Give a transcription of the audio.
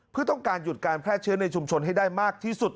เพื่อต้องการหยุดการแพร่เชื้อในชุมชนให้ได้มากที่สุด